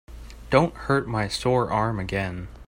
Don't hurt my sore arm again.